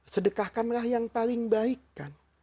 sedekahkanlah yang paling baik